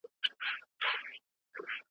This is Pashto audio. میلمنو ته افغاني کلتور ښودل کیده.